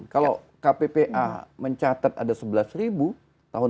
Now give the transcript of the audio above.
kalau kppa mencatat ada sebelas tahun dua ribu dua puluh dua